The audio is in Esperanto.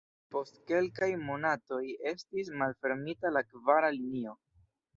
Post kelkaj monatoj estis malfermita la kvara linio.